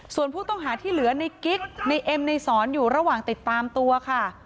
ส่วนผู้ต้องหาที่เหลือในกิ๊กในเอ็มในสอนอยู่ระหว่างติดตามตัวค่ะ